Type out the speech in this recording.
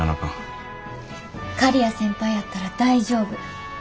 刈谷先輩やったら大丈夫。